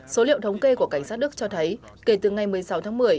số liệu thống kê của cảnh sát đức cho thấy kể từ ngày một mươi sáu tháng một mươi